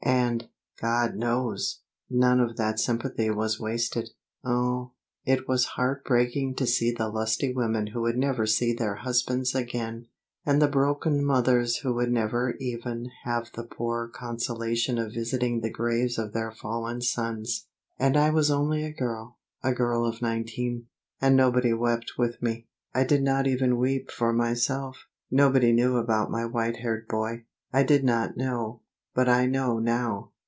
And, God knows, none of that sympathy was wasted. Oh, it was heart breaking to see the lusty women who would never see their husbands again; and the broken mothers who would never even have the poor consolation of visiting the graves of their fallen sons. And I was only a girl, a girl of nineteen. And nobody wept with me. I did not even weep for myself. Nobody knew about my white haired boy. I did not know. But I know now.